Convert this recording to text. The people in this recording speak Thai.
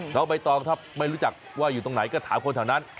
น้องใบตองถ้าไม่รู้จักว่าอยู่ตรงไหนก็ถามคนแถวนั้น